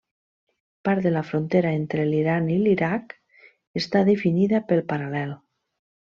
Part de la frontera entre l'Iran i l'Iraq està definida pel paral·lel.